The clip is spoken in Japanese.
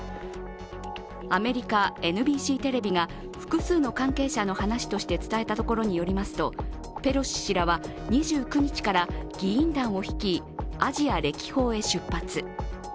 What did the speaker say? アメリカＮＢＣテレビが、複数の関係者の話として伝えたところによりますとペロシ氏らは２９日から議員団を率いアジア歴訪へ出発。